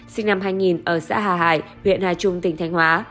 sinh năm hai nghìn ở xã hà hải huyện hà trung tỉnh thanh hóa